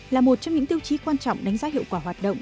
là một trong những tiêu chí quan trọng đánh giá hiệu quả hoạt động